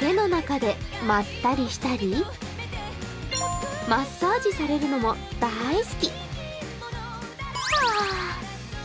手の中でまったりしたりマッサージされるのも大好き。